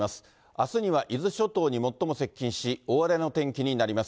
あすには伊豆諸島に最も接近し、大荒れの天気になります。